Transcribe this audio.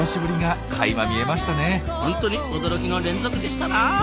ホントに驚きの連続でしたなあ。